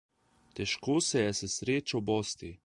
Težko se je s srečo bosti.